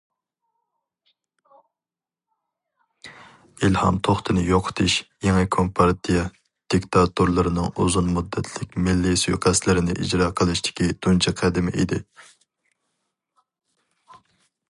ئىلھام توختىنى يوقىتىش يېڭى كومپارتىيە دىكتاتورلىرىنىڭ ئۇزۇن مۇددەتلىك مىللىي سۇيىقەستلەرنى ئىجرا قىلىشتىكى تۇنجى قەدىمى ئىدى.